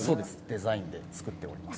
デザインで作っております。